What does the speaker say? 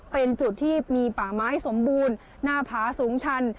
เป็นจุดที่มีป่าไม้สมบูรณ์หน้าผาสูงชัน